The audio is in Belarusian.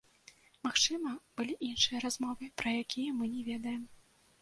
Магчыма, былі іншыя размовы, пра якія мы не ведаем.